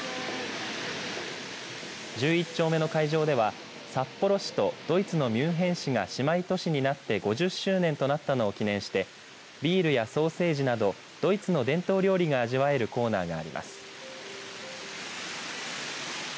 丁目の会場では札幌市とドイツのミュンヘン市が姉妹都市になって５０周年となったのを記念してビールやソーセージなどドイツの伝統料理が味わえるコーナーがあります。